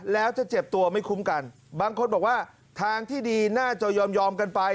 แล้วจะเจ็บตัวไม่คุ้มกันบางคนบอกว่าทางที่ดีน่าจะยอมกันไป